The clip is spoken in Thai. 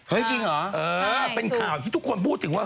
จริงเหรอเออเป็นข่าวที่ทุกคนพูดถึงว่า